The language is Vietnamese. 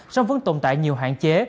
sông vẫn tồn tại nhiều hạn chế